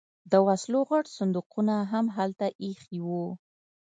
د وسلو غټ صندوقونه هم هلته ایښي وو